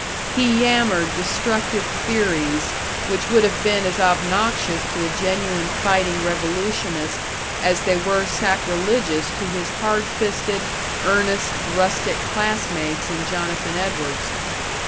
He yammered destructive theories which would have been as obnoxious to a genuine fighting revolutionist as they were sacrilegious to his hard fisted, earnest, rustic classmates in Jonathan Edwards.